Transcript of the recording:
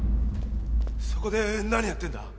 そこで何やってんだ？